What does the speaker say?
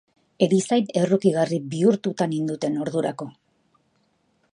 Erizain errukigarri bihurtua ninduten ordurako.